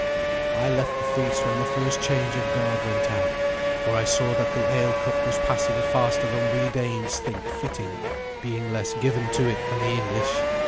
I left the feast when the first change of guard went out, for I saw that the ale cup was passing faster than we Danes think fitting, being less given to it than the English.